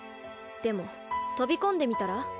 でも飛び込んでみたら？